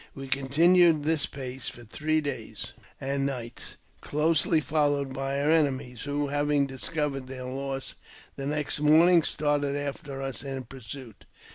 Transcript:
We continued this pace for three days and nights, closely followed by our enemies, who, having dis covered their loss the next morning, started after us in pursuit.